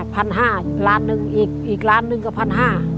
พันห้าล้านหนึ่งอีกอีกล้านหนึ่งก็พันห้า